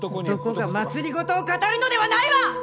男が政を語るのではないわぁ！